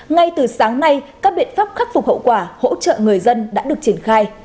ngay từ sáng nay các biện pháp khắc phục hậu quả hỗ trợ người dân đã được triển khai